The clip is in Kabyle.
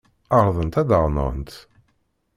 Ɛerḍent ad aɣ-nɣent.